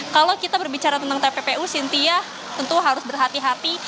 kalau kita berbicara tentang tppu cynthia tentu harus berhati hati